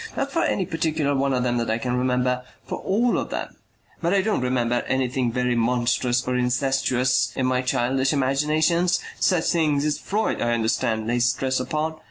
Not for any particular one of them that I can remember, for all of them. But I don't remember anything very monstrous or incestuous in my childish imaginations, such things as Freud, I understand, lays stress upon.